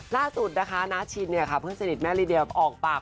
ล่าสุดนะคะนาชินเพื่อนชายนิดแม่ริเดียเอาออกปาก